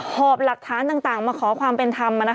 หอบหลักฐานต่างมาขอความเป็นธรรม